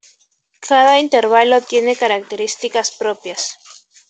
Cada intervalo tiene características propias.